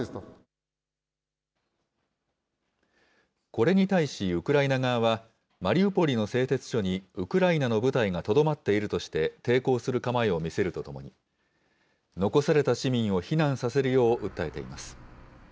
これに対しウクライナ側は、マリウポリの製鉄所にウクライナの部隊がとどまっているとして、抵抗する構えを見せるとともに、残された市民を避難させるよう訴えています。